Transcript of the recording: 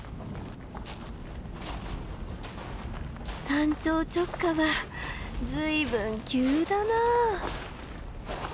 山頂直下は随分急だな。